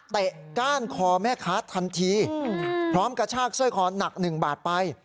เตะก้านคอแม่ค้าทันทีพร้อมกระชากสวยคอนักหนึ่งบาทไป